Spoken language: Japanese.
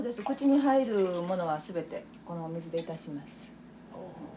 口に入るものは全てこのお水でいたします。